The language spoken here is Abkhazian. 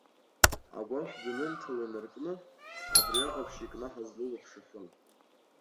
Агәашә данынҭала инаркны, абри аҟаԥшь икнаҳаз лылаԥш ахын.